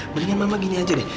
mendingan mama gini aja deh